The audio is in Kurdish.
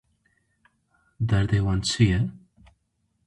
Derdê wan çi ye?